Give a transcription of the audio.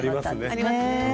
ありますね。